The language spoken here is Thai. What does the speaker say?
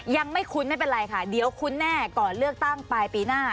คุ้นไม่เป็นไรค่ะเดี๋ยวคุ้นแน่ก่อนเลือกตั้งปลายปีหน้า